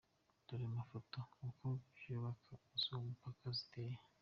Dore mu mafoto uko inyubako z’uwo mupaka ziteye.